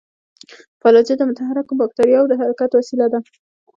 فلاجیل د متحرکو باکتریاوو د حرکت وسیله ده.